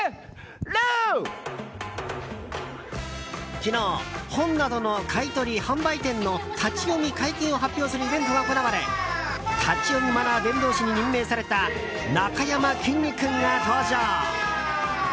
昨日本などの買い取り販売店の立ち読み解禁を発表するイベントが行われ立ち読みマナー伝道師に任命されたなかやまきんに君が登場。